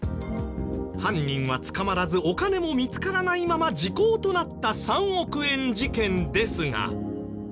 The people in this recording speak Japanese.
犯人は捕まらずお金も見つからないまま時効となった３億円事件ですが。